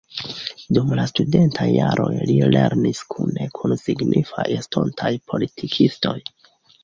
Dum la studentaj jaroj li lernis kune kun signifaj estontaj politikistoj.